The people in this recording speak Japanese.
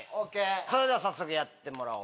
それでは早速やってもらおう。